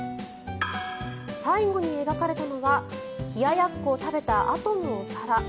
最後に描かれたのは冷ややっこを食べたあとのお皿。